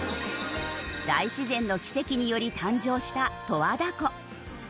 大自然の奇跡により誕生した十和田湖。